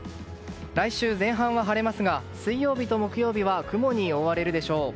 来週前半は晴れますが水曜日と木曜日は雲に覆われるでしょう。